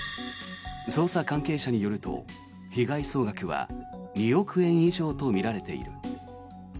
捜査関係者によると被害総額は２億円以上とみられている。